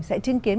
sẽ chứng kiến